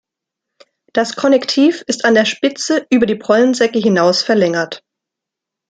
Das Konnektiv ist an der Spitze über die Pollensäcke hinaus verlängert.